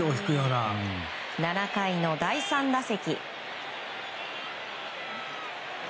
７回の第３打席。